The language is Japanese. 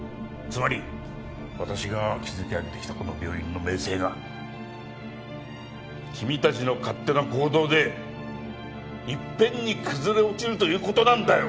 つまり私が築き上げてきたこの病院の名声が君たちの勝手な行動で一遍に崩れ落ちるという事なんだよ！